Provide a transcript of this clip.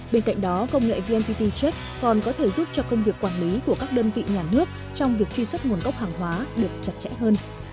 bên cạnh đó công nghệ vnpt check còn có thể giúp cho công việc quản lý của các đơn vị nhà nước trong việc truy xuất nguồn gốc hàng hóa được chặt chẽ hơn